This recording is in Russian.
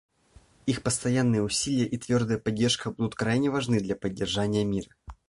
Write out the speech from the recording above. Их постоянные усилия и твердая поддержка будут крайне важны для поддержания мира.